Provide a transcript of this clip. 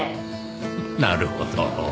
なるほど。